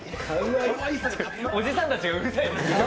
おじさんたちがうるさいです。